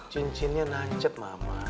cincinnya nancet mama